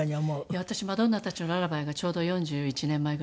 私『聖母たちのララバイ』がちょうど４１年前ぐらい。